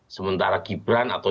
sementara gibran atau